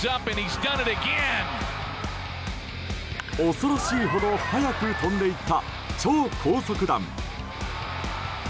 恐ろしいほど速く飛んで行った超高速弾。